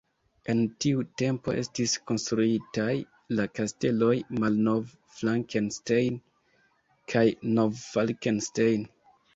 En tiu tempo estis konstruitaj la kasteloj Malnov-Flakenstein kaj Nov-Falkenstein.